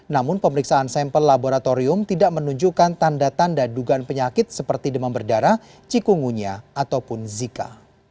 namun pemeriksaan sampel laboratorium tidak menunjukkan tanda tanda dugaan penyakit seperti demam berdarah cikungunya ataupun zika